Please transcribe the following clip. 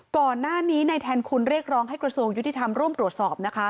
ก่อนหน้านี้ในแทนคุณเรียกร้องให้กระทรวงยุติธรรมร่วมตรวจสอบนะคะ